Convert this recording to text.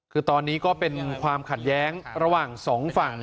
คือตอนนี้ก็เป็นความขัดแย้งระหว่างสองฝั่ง